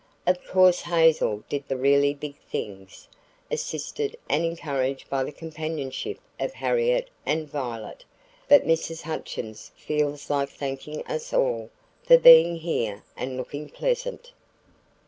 "Of course Hazel did the really big things, assisted and encouraged by the companionship of Harriet and Violet, but Mrs. Hutchins feels like thanking us all for being here and looking pleasant."